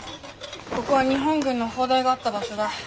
ここは日本軍の砲台があった場所だ。